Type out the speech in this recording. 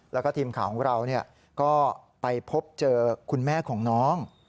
แล้วก็ทีมข่าวของเราก็ไปพบเจอคุณแม่ของน้อง